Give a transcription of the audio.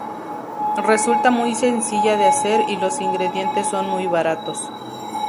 Resulta muy sencilla de hacer y los ingredientes son muy baratos.